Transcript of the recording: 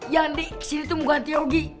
yang dik kesini tuh mau ganti rugi